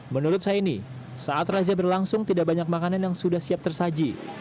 menurut saini saat razia berlangsung tidak banyak makanan yang sudah siap tersaji